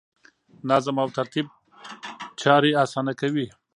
نظم او ترتیب چارې اسانه کوي.